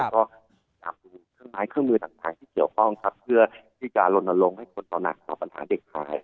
ก็ตามดูเครื่องไม้เครื่องมือต่างที่เกี่ยวข้องครับเพื่อที่จะลนลงให้คนต่อหนักต่อปัญหาเด็กหาย